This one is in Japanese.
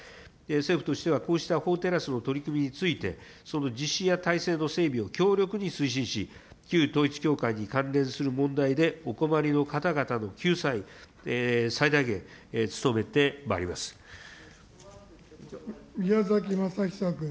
政府としては、こうした法テラスの取り組みについて、その実施や体制の整備を強力に推進し、旧統一教会に関連する問題でお困りの方々の救済、最大限努めてまいり宮崎政久君。